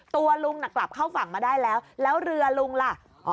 ตัวลุงน่ะกลับเข้าฝั่งมาได้แล้วแล้วเรือลุงล่ะ